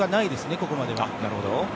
ここまでは。